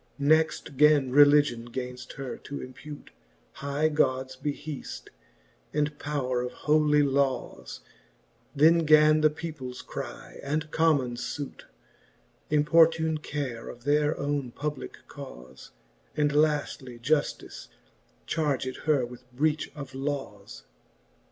Next gan Religion gainft her to impute High Gods beheaft, and powre of holy lawes : Then gan the peoples cry and commons fute Importune care of their ovvne publicke caufe j And laftly Jujlice charged her with breach of lawes.